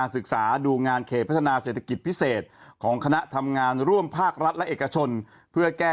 เศรษฐกิจพิเศษของคณะทำงานร่วมภาครัฐและเอกชนเพื่อแก้